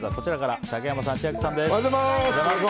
竹山さん、千秋さんです。